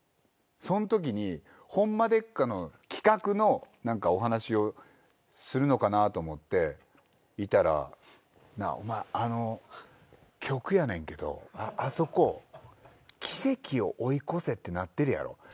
そのときに『ホンマでっか！？』の企画のお話をするのかなと思っていたら「なあお前あの曲やねんけどあそこ『奇跡を追い越せ』ってなってるやろ？」